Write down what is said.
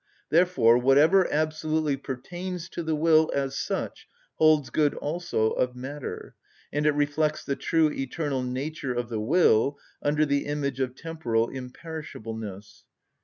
Therefore, whatever absolutely pertains to the will as such holds good also of matter, and it reflects the true eternal nature of the will under the image of temporal imperishableness.